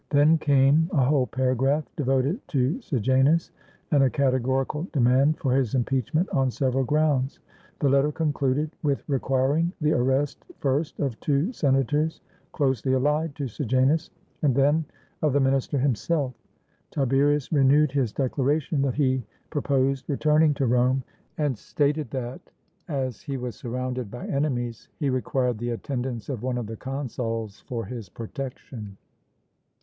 Then came a whole paragraph devoted to Sejanus, and a categorical demand for his impeachment on several grounds. The letter concluded with requiring the arrest first of two senators closely allied to Sejanus and then of the min ister himself. Tiberius renewed his declaration that he proposed returning to Rome, and stated that, as he was surrounded by enemies, he required the attendance of one of the consuls for his protection.